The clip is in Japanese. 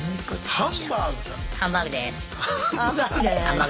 ハンバーグでぇす。